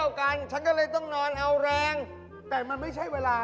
อ้าวก็จะพาไปแถวเสาชิงช้า